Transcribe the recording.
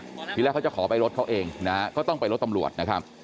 ทีแรกเขาจะขอไปรถเขาเองนะฮะก็ต้องไปรถตำรวจนะครับ